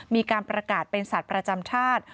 มีการประกาศเป็นสัตว์ประจำชาติ